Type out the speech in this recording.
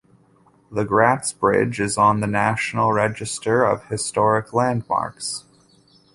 The Gratz Bridge is on the National Register of historic landmarks.